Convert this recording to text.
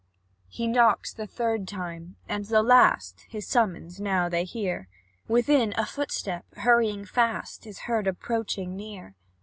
He knocks the third time, and the last His summons now they hear, Within, a footstep, hurrying fast, Is heard approaching near.